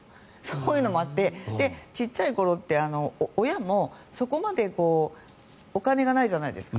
そういうのもあって小さい頃って親もそこまでお金がないじゃないですか。